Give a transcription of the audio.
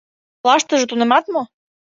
— Олаштыже тунемат мо?